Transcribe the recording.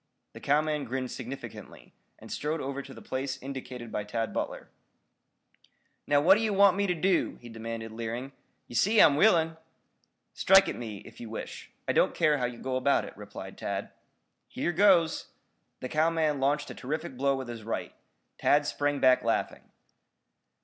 The cowman grinned significantly, and strode over to the place indicated by Tad Butler. "Now what d'ye want me ter do?" he demanded, leering. "Yer see I'm willing?" "Strike at me, if you wish. I don't care how you go about it," replied Tad. "Here goes!" The cowman launched a terrific blow with his right. Tad sprang back laughing.